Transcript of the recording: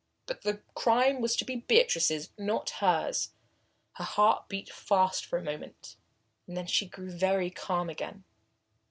But the crime was to be Beatrice's, not hers. Her heart beat fast for a moment, and then she grew very calm again.